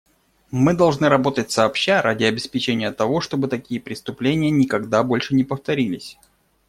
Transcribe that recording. Мы должны работать сообща ради обеспечения того, чтобы такие преступления никогда больше не повторились.